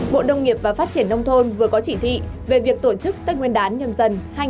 bộ đông nghiệp và phát triển nông thôn vừa có chỉ thị về việc tổ chức tết nguyên đán nhân dân hai nghìn hai mươi hai